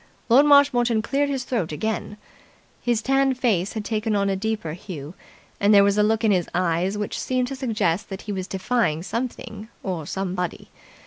Lord Marshmoreton cleared his throat again. His tanned face had taken on a deeper hue, and there was a look in his eyes which seemed to suggest that he was defying something or somebody.